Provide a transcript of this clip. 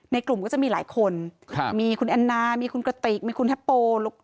กลุ่มก็จะมีหลายคนมีคุณแอนนามีคุณกระติกมีคุณแฮปโป